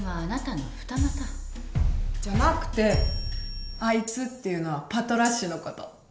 じゃなくてあいつっていうのはパトラッシュのこと。